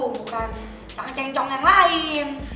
bukan cangcengcong yang lain